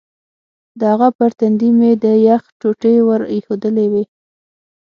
د هغه پر تندي مې د یخ ټوټې ور ایښودلې وې.